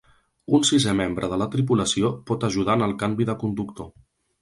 Un sisè membre de la tripulació pot ajudar en el canvi de conductor.